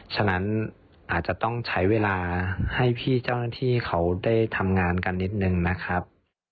ฉะนั้นอาจจะต้องใช้เวลาให้พี่เจ้าหน้าที่เขาได้ทำงานกันนิดนึงนะครับ